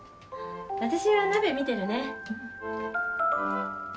私は鍋見てるね。